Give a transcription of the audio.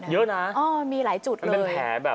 เยอะนะมีหลายจุดเลยเป็นกลุ่มเลยเป็นแผลแบบ